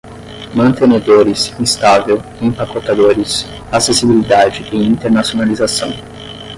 mantenedores, instável, empacotadores, acessibilidade e internacionalização